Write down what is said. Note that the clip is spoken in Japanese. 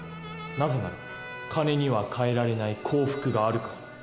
なぜなら金には代えられない幸福があるからだ。